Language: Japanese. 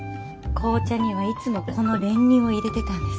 紅茶にはいつもこの練乳を入れてたんです。